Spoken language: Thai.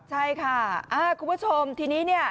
ใช่ค่ะคุณผู้ชมทีนี้เนี่ย